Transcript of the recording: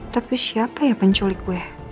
tapi siapa ya penculik kue